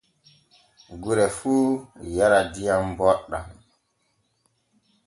Gure fuu yara diam boɗɗan.